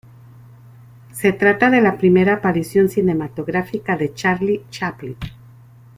Se trata de la primera aparición cinematográfica de Charlie Chaplin.